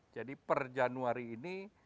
jadi per januari ini